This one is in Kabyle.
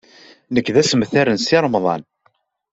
Nekk d asemtar n Si Remḍan.